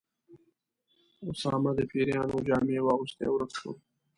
اسامه د پیریانو جامې واغوستې او ورک شو.